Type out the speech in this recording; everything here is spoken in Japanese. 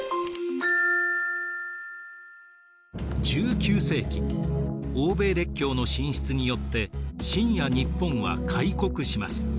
１９世紀欧米列強の進出によって清や日本は開国します。